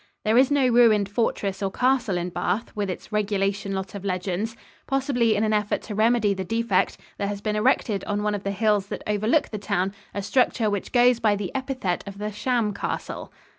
There is no ruined fortress or castle in Bath, with its regulation lot of legends. Possibly in an effort to remedy the defect, there has been erected on one of the hills that overlook the town a structure which goes by the epithet of the Sham Castle.